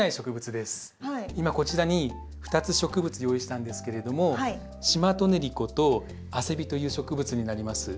今こちらに２つ植物用意したんですけれどもシマトネリコとアセビという植物になります。